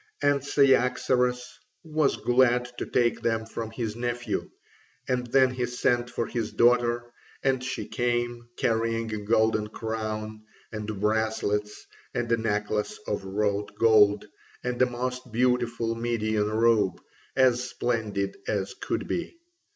And Cyaxares was glad to take them from his nephew, and then he sent for his daughter, and she came, carrying a golden crown, and bracelets, and a necklace of wrought gold, and a most beautiful Median robe, as splendid as could be.